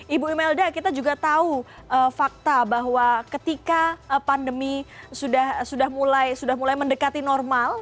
ibu imelda kita juga tahu fakta bahwa ketika pandemi sudah mulai mendekati normal